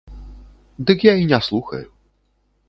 Дык я і не слухаю.